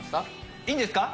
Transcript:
いいんですか？